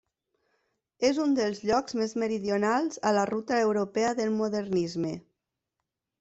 És un dels llocs més meridionals a la ruta europea del modernisme.